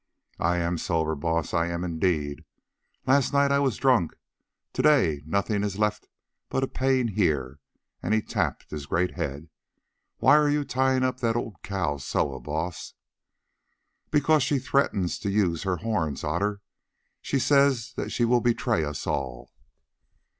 "I am sober, Baas, I am indeed. Last night I was drunk, to day nothing is left but a pain here," and he tapped his great head. "Why are you tying up that old cow Soa, Baas?" "Because she threatens to use her horns, Otter. She says that she will betray us all."